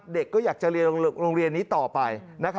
เด็กก็อยากจะเรียนโรงเรียนนี้ต่อไป